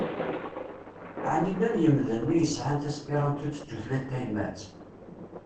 Ɛni llan yemdanen i yesɛan taspiṛanṭut d tutlayt tayemmat?